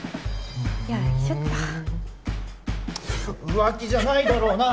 浮気じゃないだろうな？